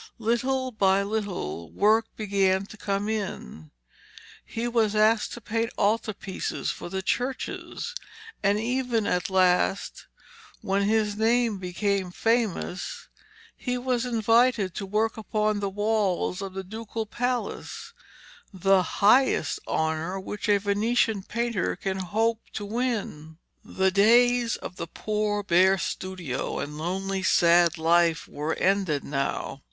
Little by little work began to come in. He was asked to paint altarpieces for the churches, and even at last, when his name became famous, he was invited to work upon the walls of the Ducal Palace, the highest honour which a Venetian painter could hope to win. The days of the poor, bare studio, and lonely, sad life were ended now.